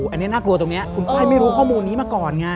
อันนี้น่ากลัวตรงนี้คุณไฟล์ไม่รู้ข้อมูลนี้มาก่อนไง